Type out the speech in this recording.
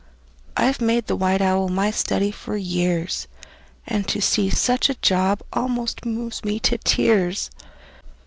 I've made the white owl my study for years, And to see such a job almost moves me to tears!